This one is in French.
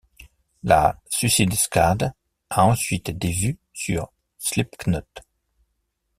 La Suicide Squad a ensuite des vues sur Slipknot.